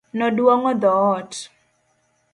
Noduong'o dhoot.